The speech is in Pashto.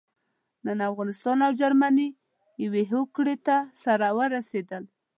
نن افغانستان او جرمني يوې هوکړې ته سره ورسېدل.